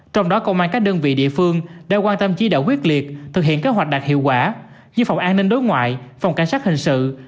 trong đó công an các đơn vị địa phương đã quan tâm chỉ đạo quyết liệt thực hiện kế hoạch đạt hiệu quả như phòng an ninh đối ngoại phòng cảnh sát hình sự